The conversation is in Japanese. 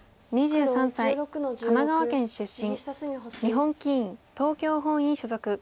日本棋院東京本院所属。